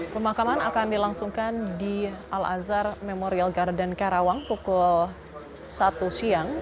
pemakaman akan dilangsungkan di al azhar memorial garden karawang pukul satu siang